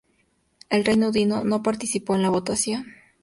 El Reino Unido no participó en la votación.